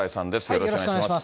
よろしくお願いします。